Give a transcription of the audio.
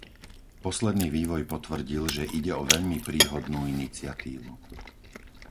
Posledný vývoj potvrdil, že ide o veľmi príhodnú iniciatívu.